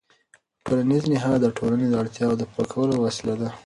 ټولنیز نهاد د ټولنې د اړتیاوو د پوره کولو وسیله ده.